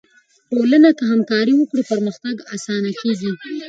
ټولنه که همکاري وکړي، پرمختګ آسانه کیږي.